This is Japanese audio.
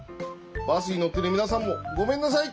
バスにのってるみなさんもごめんなさい。